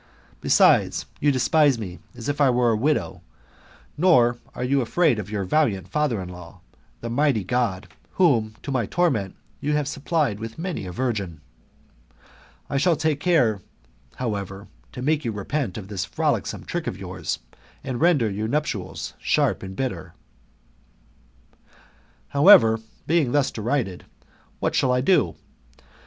Besides, you despise me as if I were a widow; nor are you afraid of your valiant father in law, the mighty warrior God, whom, to my torment, you have supplied wi^ many a virgin. I shall take care,* however, to make you repent of this frolicsome trick of yours, and render your nuptials sharp and bitter. ir '* However, being thus derided, what shall I do ?